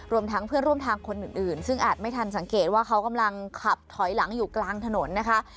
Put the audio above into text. ทั้งเพื่อนร่วมทางคนอื่นซึ่งอาจไม่ทันสังเกตว่าเขากำลังขับถอยหลังอยู่กลางถนนนะคะ